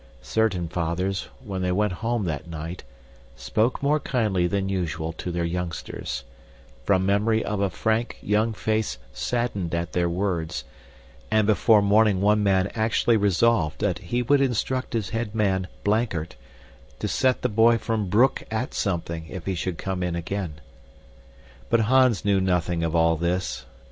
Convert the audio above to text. Certain fathers, when they went home that night, spoke more kindly than usual to their youngsters, from memory of a frank, young face saddened at their words, and before morning one man actually resolved that he would instruct his head man Blankert to set the boy from Broek at something if he should come in again. But Hans knew nothing of all this.